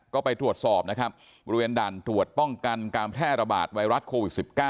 ก็ไปตรวจสอบนะครับบริเวณด่านตรวจป้องกันการแพร่ระบาดไวรัสโควิด๑๙